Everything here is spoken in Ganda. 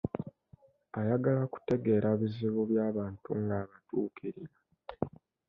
Ayagala kutegeera bizibu by'abantu ng'abatuukirira.